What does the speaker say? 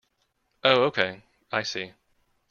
Oh okay, I see.